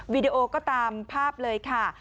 วิดีโอก็ตามภาพเลยค่ะ